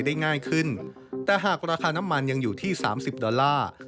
ได้ง่ายขึ้นแต่หากราคาน้ำมันยังอยู่ที่สามสิบดอลลาร์